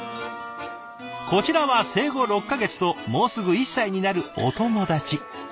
こちらは生後６か月ともうすぐ１歳になるお友達。